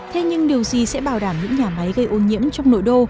thế nhưng điều gì sẽ bảo đảm những nhà máy gây ô nhiễm trong nội đô